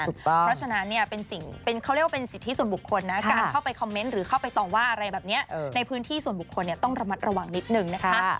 กับงานเพราะฉะนั้นเนี่ยเป็นสิ่งเป็นเขาเรียกเป็นสิทธิส่วนบุคคลนะการเข้าไปคอมเมนต์หรือเข้าไปตอบว่าอะไรแบบเนี้ยในพื้นที่ส่วนบุคคลเนี้ยต้องระมัดระหว่างนิดหนึ่งนะคะ